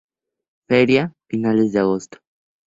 Feria: finales de Agosto.